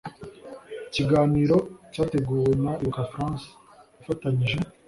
ikiganiro cyateguwe na ibuka france ifatanyije